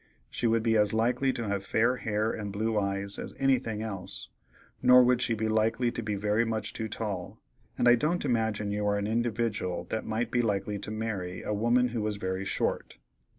She would be as likely to have fair hair and blue eyes as anything else; nor would she be likely to be very much too tall, and I don't imagine you are an individdyal that might be likely to marry a woman who was very short.